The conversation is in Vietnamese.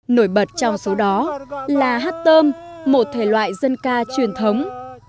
nổi bật trong số đó là hát tôm một thể loại dân ca truyền thống